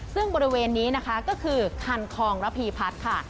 ซึ่งบริเวณนี้นะคะก็คือคันคองระพีพัฒน์ค่ะ